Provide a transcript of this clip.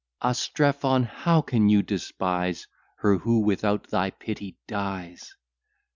Strephon, how can you despise Her, who without thy pity dies!